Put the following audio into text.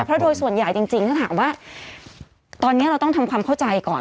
เพราะโดยส่วนใหญ่จริงถ้าถามว่าตอนนี้เราต้องทำความเข้าใจก่อน